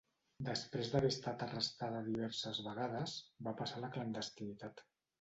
Després d'haver estat arrestada diverses vegades, va passar a la clandestinitat.